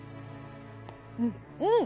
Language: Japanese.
うん！